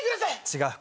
違う。